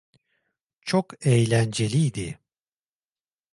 Çok eğlenceliydi.